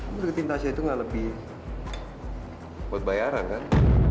kamu deketin asia itu enggak lebih buat bayaran kan